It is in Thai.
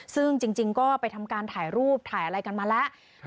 ซึ่งจริงก็ไปทำการถ่ายรูปถ่ายอะไรกันมาแล้ว